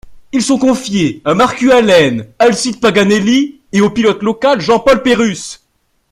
Ils sont confiés à Markku Alén, Alcide Paganelli et au pilote local Jean-Paul Pérusse.